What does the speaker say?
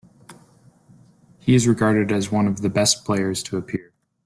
He is regarded as one of the best players to appear.